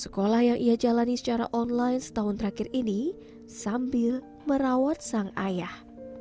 sekolah yang ia jalani secara online setahun terakhir ini sambil merawat sang ayah